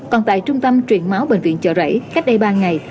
còn tại trung tâm truyền máu bệnh viện chợ rẫy cách đây ba ngày